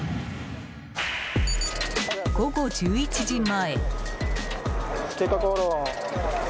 午後１１時前。